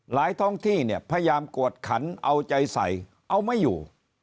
ท้องที่เนี่ยพยายามกวดขันเอาใจใส่เอาไม่อยู่